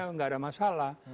nggak ada masalah